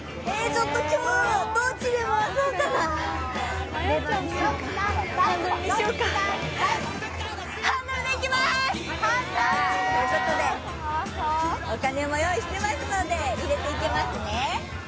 今日はどっちで回そうかな、レバーにしようか、ハンドルにしようかハンドルでいきます！ということでお金も用意していますので入れていきますね。